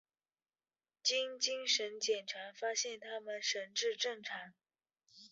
经精神检查发现他们神智正常。